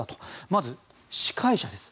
まず司会者です。